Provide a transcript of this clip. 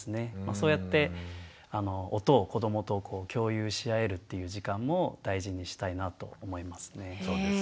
そうやって音を子どもと共有し合えるっていう時間も大事にしたいなと思いますね。